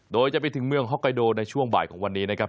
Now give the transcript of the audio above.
โดยจะไปถึงเมืองฮอกไกโดในช่วงบ่ายของวันนี้นะครับ